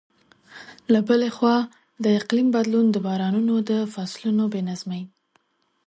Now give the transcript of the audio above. له بلې خوا، د اقلیم بدلون د بارانونو د فصلونو بې نظمۍ.